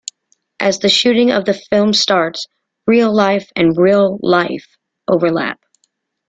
As the shooting of the film starts, reel life and real life overlap.